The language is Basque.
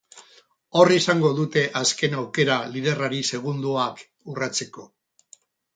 Hor izango dute azken aukera liderrari segundoak urratzeko.